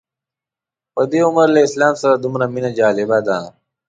په دې عمر له اسلام سره دومره مینه جالبه ده.